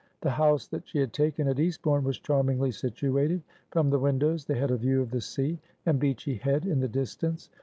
The house that she had taken at Eastbourne was charmingly situated. From the windows they had a view of the sea, and Beachy Head in the distance.